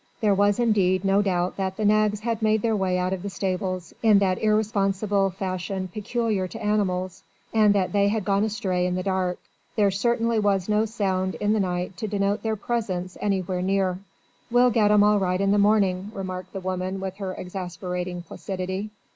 There was indeed no doubt that the nags had made their way out of the stables, in that irresponsible fashion peculiar to animals, and that they had gone astray in the dark. There certainly was no sound in the night to denote their presence anywhere near. "We'll get 'em all right in the morning," remarked the woman with her exasperating placidity.